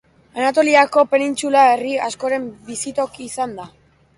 Anatoliako penintsula herri askoren bizitoki izan da.